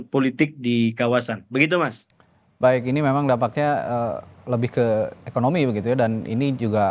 politik di kawasan begitu mas baik ini memang dapatnya lebih ke ekonomi begitu ya dan ini juga